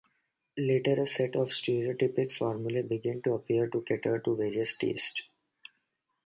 Later a set of stereotypic formulae began to appear to cater to various tastes.